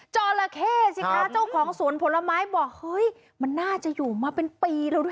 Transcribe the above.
จราเข้สิคะเจ้าของสวนผลไม้บอกเฮ้ยมันน่าจะอยู่มาเป็นปีแล้วด้วย